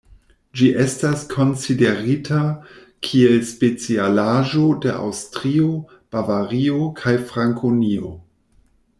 Ĝi estas konsiderita kiel specialaĵo de Aŭstrio, Bavario, kaj Frankonio.